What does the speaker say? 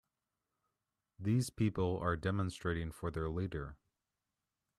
These people are demonstrating for their leader.